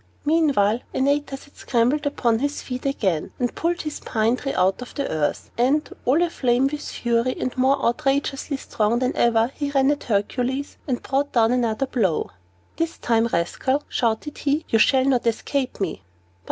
Meanwhile, Antaeus had scrambled upon his feet again, and pulled his pine tree out of the earth; and, all aflame with fury, and more outrageously strong than ever, he ran at Hercules, and brought down another blow. "This time, rascal," shouted he, "you shall not escape me."